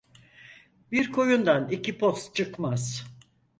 Bir koyundan iki post çıkmaz.